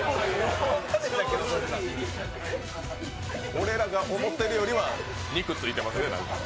俺らが思っているよりは肉ついていますね。